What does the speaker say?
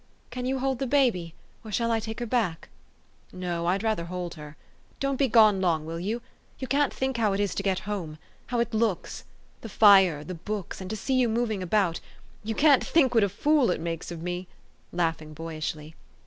Can you hold the baby ? or shall I take her back?" " No, I'd rather hold her. Don't be gone long, will 3^ou? You can't think how it is to get home, how it looks , the fire, the books, and to see you moving about. You can't think what a fool it makes of me," laughing boyishly.